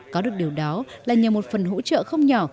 có được điều đó là nhờ một phần hỗ trợ không nhỏ